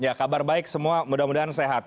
ya kabar baik semua mudah mudahan sehat